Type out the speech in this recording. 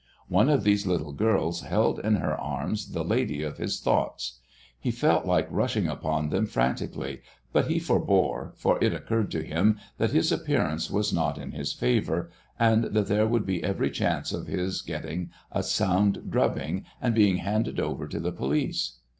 One of these little girls held in her arms the lady of his thoughts. He felt like rushing upon them frantically, but he forbore, for it occurred to him that his appearance was not in his favor, and that there would be every chance of his getting a sound drubbing and being handed over to the police.